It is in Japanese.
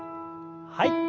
はい。